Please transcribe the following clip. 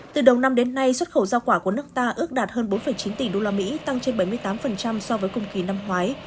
từ đầu năm đến nay xuất khẩu giao quả của nước ta ước đạt hơn bốn chín tỷ usd tăng trên bảy mươi tám so với cùng kỳ năm ngoái